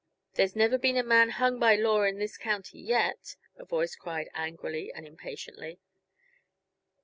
"There's never been a man hung by law in this county yet," a voice cried angrily and impatiently.